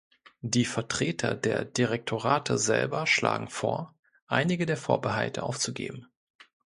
Die Vertreter der Direktorate selber schlagen vor, einige der Vorbehalte aufzugeben.